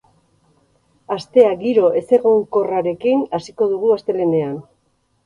Astea giro ezegonkorrarekin hasiko dugu astelehenean.